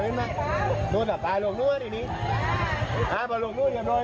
โรงงานทดสอบไปแล้วว่านี่นี้อ้าวลบงู้ยยัง